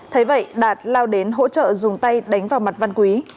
thế vậy đạt lao đến hỗ trợ dùng tay đánh vào mặt văn quý